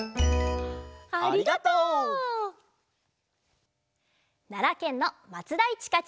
ありがとう！ならけんのまつだいちかちゃん４さいから。